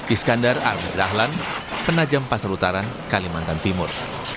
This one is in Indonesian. iskandar aldi rahlan penajam pasar utara kalimantan timur